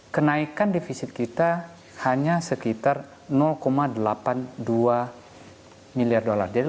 kenaikan defisit kita hanya sekitar delapan puluh dua miliar dolar